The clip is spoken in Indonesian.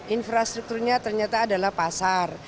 infrastrukturnya ternyata adalah pasar